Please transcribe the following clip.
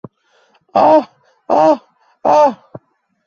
যদিও এই পরিকল্পনা কার্যকর করা হয়নি।